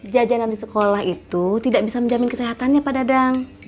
jajanan di sekolah itu tidak bisa menjamin kesehatannya pada dang